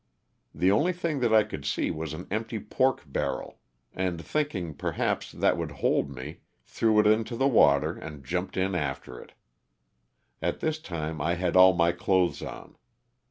The only thing that I could see was an empty pork barrel, and thinking, per haps, that would hold me, threw it into the water and LOSS OF THE SULTANA. 327 jumped in after it. At this time I had all my clothes on.